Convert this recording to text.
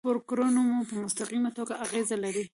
نو پر کړنو مو په مستقیمه توګه اغیز لري.